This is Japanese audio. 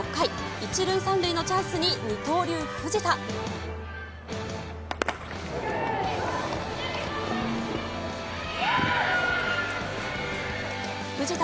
１塁３塁のチャンスに二刀流、藤田。